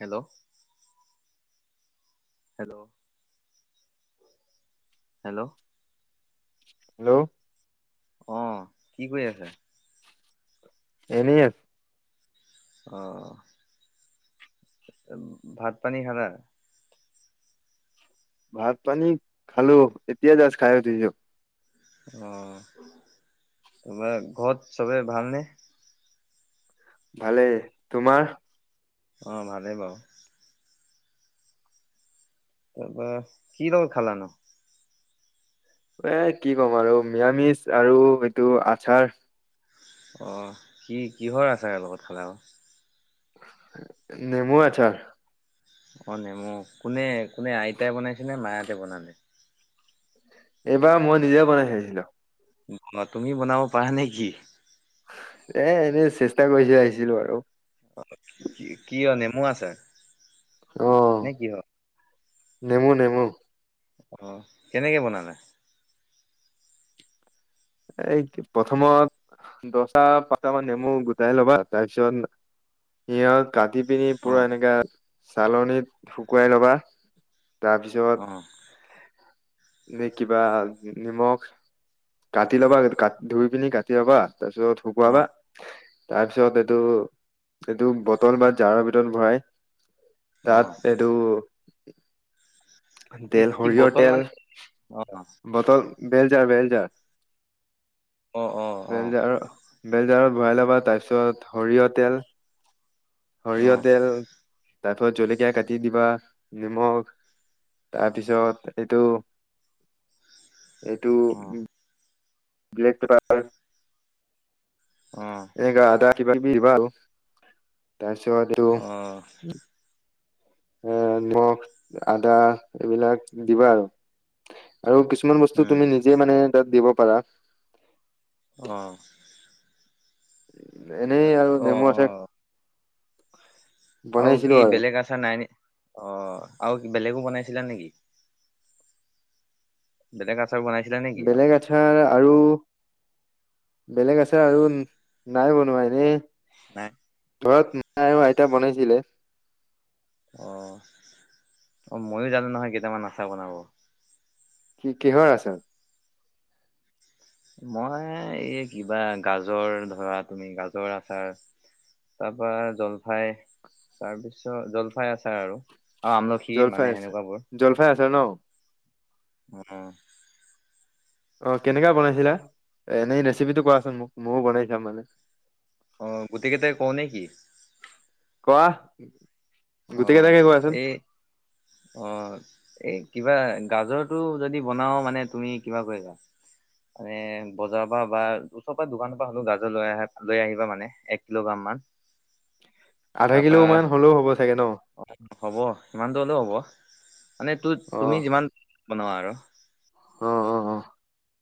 Hello. Hello, hello. Hello. অ, কি কৰি আছে? এনেয়ে। আহঁ। ভাত পানী খালা? ভাত পানী খালো, এতিয়া জাছ খায় উঠিছোঁ। অ তোমাৰ ঘৰত চবে ভালনে? ভালেই, তোমাৰ? অ ভালেই বাৰু। তাৰ্পা কি [unintelligible] খালানো? এ কি ক'ম আৰু মিৰামিষ আৰু এইটো আচাৰ। অ কি কিহৰ আচাৰৰ লগত খালা? নেমু আচ্চাৰ। অ নেমু, কোনে কোনে আইতাই বনাইছে নে? মাহতে বনালে? এইবাৰ মই নিজে বনাই চাইছিলো। তুমি বনাব পাৰা নেকি? এ এনেই চেষ্টা কৰি চাইছিলো আৰু। অ কি কিহ নেমু আচাৰ? অ নে কিহৰ? নেমু নেমু। অ কেনেকে বনালা? এই প্ৰথমত, দহটা পাঁচটা মান নেমু গোটাই ল'বা। তাৰপিছত সিহঁত কাটি পিনি অ পুৰা এনেকা চালনীত শুকুৱাই লবা। তাৰপিছত অ এনেই কিবা নিমখ। কাটি ল'বা, ধুই পিনি কাটি ল'বা, তাৰপিছত অ শুকুৱাবা তাৰপিছত এইটো এইটো বটল বা জাৰৰ ভিতৰত ভৰাই অ তাত এইটো এই তেল কি সৰিয়হৰ বটল তেল মানে অ অ বটল বেলজাৰ -বেলজাৰ, অ অ বেলজাৰৰ, বেলজাৰৰ। ঘূৰাই ল'বা তাৰপিছত সৰিয়হ তেল। অ সৰিয়হ তেল। তাৰপিছত জলকীয়া কাটি দিবা, নিমখ তাৰপিছত এইটো [inaudible] এইটো অ উ ব্লেক পেপাৰ। অ। এনেকা আদা কিবা কিবি দিবা আৰু। তাৰপিছত এটো অ', এ নিখ আদা এইবিলাক দিবা আৰু। আৰু কিছুমান বস্তু উম, তুমি নিজে মানে তাত দিব পাৰা। অ। এনেই আৰু অ', নেমু আছে। অ', আৰু কি বেলেগ আচাৰ নাই নে অ আৰু বেলেগো বনাইছিলা নেকি। বেলেগ আছ। বেলেগ আচাৰ আৰু। বেলেগ আচাৰ আৰু নাই বনোৱা এনে নাই, ঘৰত। আই আৰু আইতা বনাইছিলে। অ অ ময়ো জানো নহয় কেইটামান আচাৰ বনাব। কি কিহৰ আছাৰ। মই এই কিবা গাজৰ ধৰা তুমি গাজৰ আচাৰ। তাৰ পা জলফাই তাৰপিছত জলফাই আছাৰ আৰু। অ আমলখি জলফাই মানে আচাৰ সেনেকুৱাবোৰ। জলফাই আচাৰ ন অ। অ কেনেকা বনাইছিলা? এনেই ৰেচিপিটো কোৱাচোন মোক মইও বনাই চাম মানে। অ গোটেইকেইটাই কওঁ নে কি? কোৱা। অ গোটেই কেইটাকে কোৱাচোন এই অহ এ। কিবা গাজৰটো যদি বনাও মানে তুমি কিবা কৰিবা। মানে বজাৰৰ পৰা বা ওচৰ পৰা দোকানৰ পৰা হ'লেওঁ গাজৰ লৈ আহ লৈ আহিবা মানে এক কিলোগ্ৰাম মান। [unintelligible] আধা কিলো মান হ'লেও হ'ব ছা। অ হ'ব সিমানটোৰ হলেও হ'ব মানে তো অ তুমি যিমান। বনোৱ আৰু। অ অ।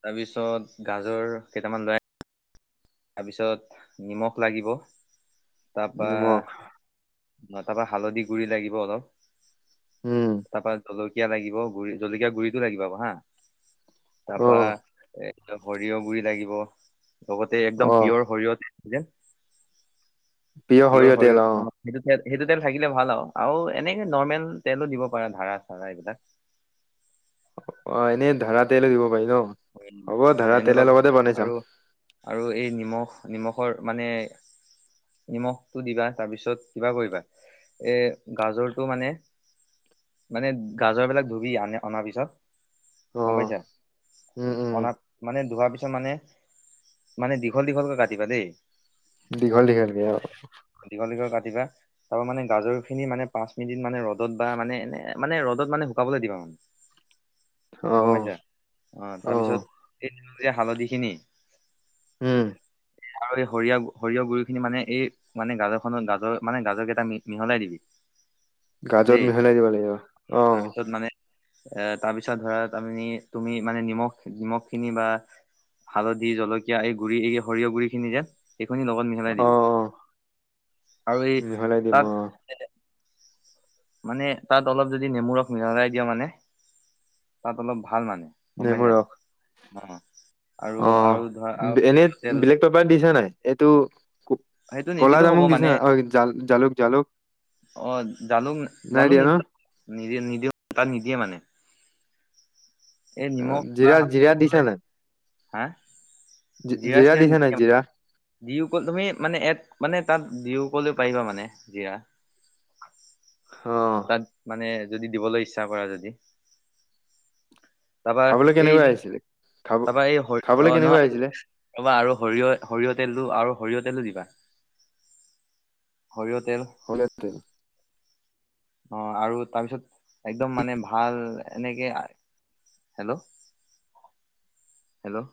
তাৰপিছত গাজৰ কেইটামান লৈ। তাৰপিছত নিমখ লাগিব। তাপা। নিমখ ন তাৰ পৰা হালধি গুৰি লাগিব অলপ, উম তা পা জলক। কীয়া লাগিব গুৰি জলকীয়া গুৰিটো লাগিব আকৌ হা অ তাপা এ। সৰিয়হ গুৰি লাগিব লগতে অ একদম পিয়ৰ সৰিয়হ থে যে। প্ৰিয় পিয়ৰ সৰিয়হ তেল শৰীৰ অ সেইটো তেল। সেইটো তেল থাকিলে ভাল আৰু আৰু এনেকে নৰ্মেল তেলো দিব পাৰা ধাৰ়া চাৰা এইবিলাক। [inaudible] অ এনেই ধাৰা তেলে দিব। পাৰি ন উ হ'ব ধৰা এনেকুৱা তেলৰ লগতে বনাই চাম আৰু- আৰু এই নিমখ নিমখৰ মানে। নিমখটো দিবা তাৰপিছত কিবা কৰিবা, এই গাজৰটো মানে মানে গাজৰ বিলাক ধুবি আনে অনাৰ পিছত। অ গম পাইছা উম উম অনা মানে। ধোৱাৰ পিছত মানে মানে দীঘল দীঘলকে কাটিবা দেই। দীঘল দীঘল অ দিবা আৰু মানে গাজৰ খিনি মানে পাঁচ মিনিট মানে ৰ'দত বা মানে এনে মানে ৰ'দত মানে শুকাবলৈ দিবা আৰু [inaudible] অ অ তাৰ পিছতীয়া হালধি খিনি। উম আৰু এই সৰিয়হ- সৰিয়হ গুৰি খিনি মানে এই মানে গাজৰ খত গাজৰ মানে গাজৰকেইটা মিহলাই দিবি। [inaudible] গাজত দেই মিহলাই দিব লাগিব অ। পিছত মানে এ তাৰপিছত ধৰা আমি তুমি মানে নিমখ নিমখ খিনি বা হালধি জলকীয়া এই গুড়ি এই সৰিয়হ গুড়ি খিনি যেন [unintelligible] এইখনি লগত মিহেলাই অ দিবি অ আৰু এই মিহলাই দিম অ তাত মানে তাত অলপ যদি নেমুৰস মহলাই দিয় মানে তাত অলপ ভাল মানে [unintelligible] গম নেমু পইচা ৰস অ আৰু অ আৰু ধৰা আৰু এনে সৰিয়হ তেল বেলেগ পেপাৰ দিছা নাই এইটো সেইটো কলা নিদিলেও হ'ব জামুক দিছে মানে ন অ জ জালুক জালুক [unintelligible] অ জালুক নাই জালুক দিয়া ন নিদি নি নিদিও তাত নিদিয়ে মানে এই নিমখ বা জিৰা হালধি জিৰা নহলে দিছা নাই হা [unintelligible] জীয়া জিৰা চিৰা দিছা নাই জিৰা যিকল তুমি মানে [unintelligible] এক মানে তাত বিহ ক'লৈ পাৰিবা মানে জিৰা [unintelligible] অ তাত মানে যদি দিবলৈ ইচ্ছা কৰা যদি তাৰপা খাবলৈ এই কেনেকুৱা যে আহিছিলে খাব [unintelligible] তাৰপৰা এই খাবলৈ অ কেনেকুৱা আহিছিলে নহয় ৰবা আৰু সৰিয়হ সৰিয়হ তেলটো আৰু [unintelligible] সৰিয়হ তেলো দিবা সৰিয়তেল অ অ আৰু তাৰপিছত একদম মানে ভাল এনেকে হেল্ল' হেল্ল'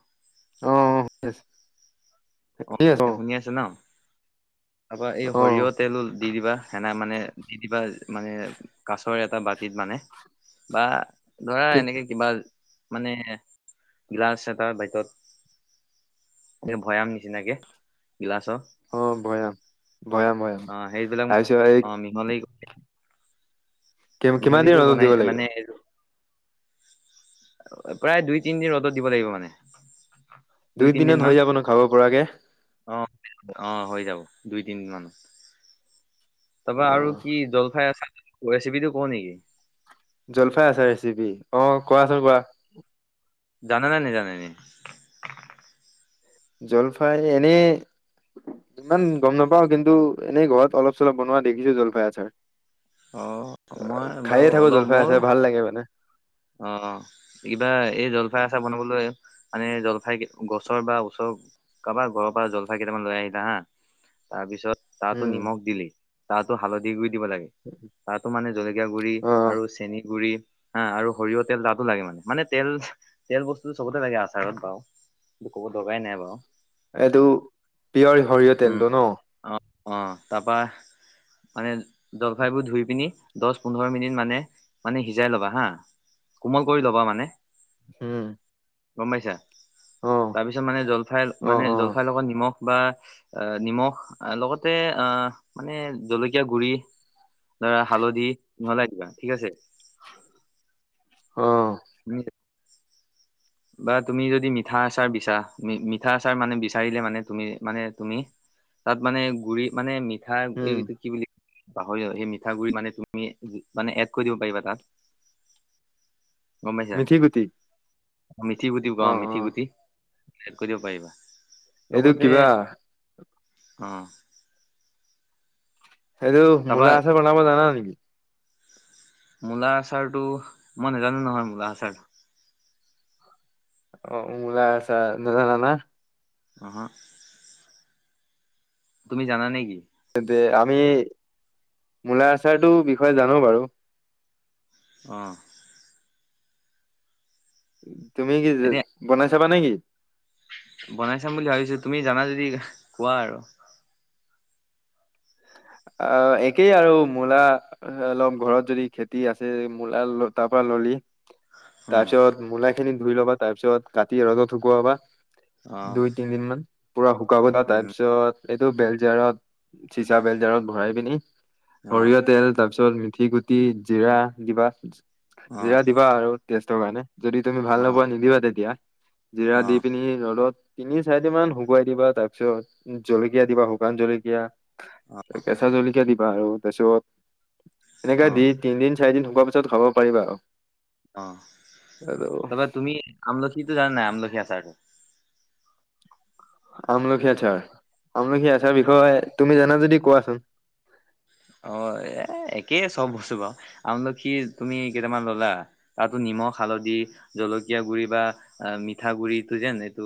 অ অ আচে [unintelligible] অ এই শুনি আছে ন তাৰপা এই অ অ সৰিয়হ তেলল দি দিবা সেনা মানে দি দিবা মানে কাছৰ এটা বাতিত মানে বা ধৰা এনেকে কিবা মানে গ্লাছ এটাত বাইটত এই ভৈয়াম নিচিনাকে গিলাচৰ ভয়াম ভয়াম অ সেইবিলাক তা মানে পিছত এই অ মিহলি কিমান মিহলি দিন কৰি ৰ'দত দিব বনাই লাগিব মানে প্ৰায় দুই তিনদিন ৰ'দত দিব লাগিব মানে দুই তিনদিন দিনত মান হৈ যাব নো খাব পৰাকে অ অ হৈ যাব দুই তিনিদিন মানত অ তাৰপৰা আৰু কি জলফাই আছে ৰেচিপিটো কওঁ নেকি জলফাই আছে ৰেচিপি অ কোৱাচোন কোৱা জানানে নাজানে এনেই জলফাই এনেই। ইমান গম নাপাও। কিন্তু, এনেই ঘৰত অলপ-চলপ বনোৱা দেখিছো জলফাই আচাৰ। অ মই বাৰু অ'খায়ে থাকো অলপ জলফাই ময়ো আচাৰ, ভাল লাগে মানে। অ' কিবা এই জলফাই আচাৰ বনাবলৈ মানে জলফাই গছৰ বা ওচৰ কাৰবাৰ ঘৰৰ পৰা জলফাই কেইটামান লৈ আহিলা হা, তাৰ পিছত তাহাতো উম নিমখ দিলি, তাহাতো হালধি গুৰি দিলি তাতো মানে জলকীয়া গুড়ি অ আৰু চেনী গুড়ী [unintelligible] সৰিয়হ তেল তাতো লাগে মানে। মানে তেল, তেল বস্তুটো চবতে লাগে আচাৰত বাওঁ। কব দৰকাৰাই নাই বাৰু। এইটো পিয়ৰ সৰিয়হ উম তেলটো ন? অ তাৰ পৰা মানে জলফাইবোৰ ধুই পিনি দহ পোন্ধৰ মিনিট মানে মানে সিজাই ল'বা হা। কোমল কৰি ল'বা মানে। হম। গম পাইছা তাৰপিছত মানে জলফাই অ মানে অ জলফাইৰ লগত নিমখ বা এ, নিমখ লগতে আহ, মানে জলকীয়া গুৰি ধৰা হালধি মিহলাই দিবা ঠিক আছে। [inaudible] অ ম [unintelligible] বা তুমি যদি মিঠা আচাৰ বিচা, মিঠা আচাৰ মানে, বিচাৰিলে মানে তুমি মানে তুমি তাত মানে গুৰি মানে মিঠা উম এইটো কি বুলি পাহৰি সেই মিঠা গুৰি মানে, তুমি মানে এড কৰি দিব পাৰিবা তাত। [inaudible] মিথি গুটি। অ' মিথি গুটি অ ক অ মিথি গুটি কৰিব পাৰিবা। এইটো লগতে কিবা অ' এইটো তাৰপা মূলা আছে বনাব জানা নেকি? মূলা আচাৰটো মই নাজানো নহয়, মূলা আচাৰ। অ' মূলা আচাৰ নাজানা না। আহ'। তুমি জানা নেকি? তেন্তে আমি মূলা আচাৰটো বিষয়ে জানো বাৰু। আহঁ'। তুমি কি এনে বনাই চাবা নেকি? বনাই চাম বুলি ভাবিছো। তুমি জানা যদি কোৱা আৰু। অ' একেই আৰু মূলা লম ঘৰত যদি খেতি আছে মূলা তাৰ পৰা ললি তাৰ উম পিছত মূলা খিনি ধুই লবা তাৰপিছত কাটি ৰদত শুকুৱাবা। অ দুই-তিনদিন মান পুৰা শুকাব তাৰ উম পিছত এইটো বেলজাৰত চিচা বেলজাৰত ভৰাই পিনি অ সৰিয়হ তেল তাৰ পিছত পুঠি গুটি, জিৰা দিবা, অ জিৰা দিবা আৰু টেষ্টৰ কাৰণে। যদি তুমি অ ভাল নোপোৱা নিদিবা তেতিয়া। জিৰা অ দি পিনি ৰ'দত তিনি-চাৰিদিন মান শুকুৱাই দিবা, তাৰ পিছত জলকীয়া দিবা শুকান জলকীয়া। কেঁচা জলকীয়া দিবা আৰু তাৰ পিছত এনেকাে অ দি তিনদিন-চাৰিদিন খোৱা পিছত খাব পাৰিবা আৰু। আৰু অ'তাৰপৰা তুমি আমলখি জানা নাই, আমলখি আচাৰটো? আমলখি আচাৰ আমলখি আচাৰ বিষয়ে তুমি জানা যদি কোৱাচোন? অ' এ একেই চব বস্তু বাৰু আমলখি তুমি কেইটামান ললা তাতো নিমখ-হালধি জলকীয়া গুৰি বা মিঠা গুৰিটো যেন এইটো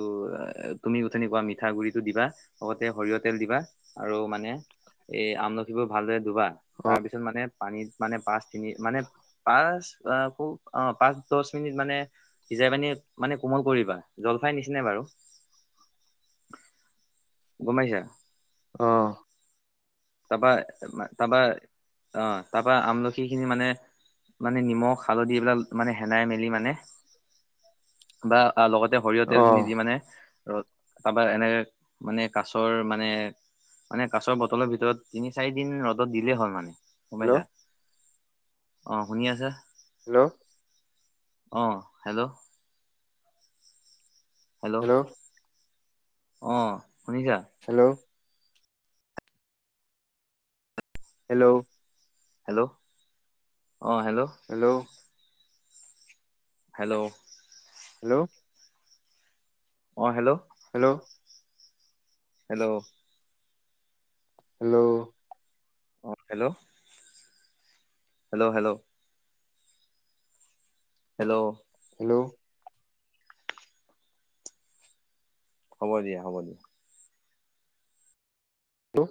তুমি তেনেকুৱা মিঠাগ গুৰি দিবা লগতে সৰিয়হ তেল দিবা, আৰু মানে এ আমলখি বোৰ। ভালদৰে ধুবা, অ তাৰ পিছত মানে পানীত মানে পাঁচ তিনি, মানে পাঁচ অ খুব অ পাঁচ দহ মিনিট মানে সিজাই পানি মানে কোমল কৰিবা জলফাই নিচিনা বাৰু গম পাইছা? অ। তাৰপা তাৰপা অ, তাৰপা আমলখি খিনি মান মানে নিমখ হালধি এইবিলাক মানে, হেনাই মেলি মানে বা আহ লগতে সৰিয়হ অ তেলখিনি দি মানে ৰ তাৰপা এনেক মানে কাছৰ, মানে মানে কাছৰ বটলৰ ভিতৰত। তিনি চাৰি দিন ৰ'দত দিলেই হ'ল মানে, গম হেল্ল' পাইচা, অ শুনি আছা? হেল্ল'। অ হেল্ল'। হেল্ল'। অ শুনিছা? Hello hello. হেল্ল' অ হেল্ল'। Hello hello. হেল্ল'! অ হেল্ল'। হেল্ল'! হেল্ল'! হেল্ল'! অ hello, hello hello! Hello hello! হ'ব দিয়া হ'ব দিয়া। টো